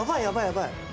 やばい！